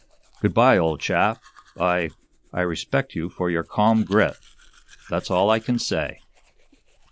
"Good bye, old chap! I I respect you for your calm grit that's all I can say."